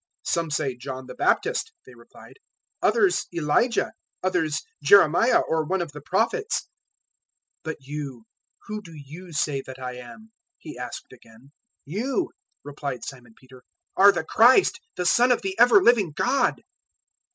016:014 "Some say John the Baptist," they replied; "others Elijah; others Jeremiah or one of the Prophets." 016:015 "But you, who do you say that I am?" He asked again. 016:016 "You," replied Simon Peter, "are the Christ, the Son of the ever living God."